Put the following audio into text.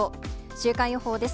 週間予報です。